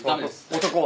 男は？